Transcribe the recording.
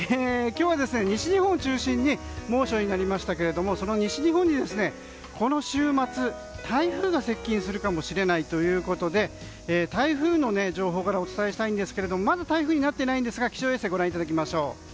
今日は西日本を中心に猛暑になりましたがその西日本にこの週末、台風が接近するかもしれないということで台風の情報からお伝えしたいんですがまだ台風になっていないんですが気象衛星ご覧いただきましょう。